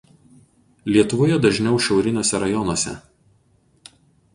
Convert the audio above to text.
Lietuvoje dažniau šiauriniuose rajonuose.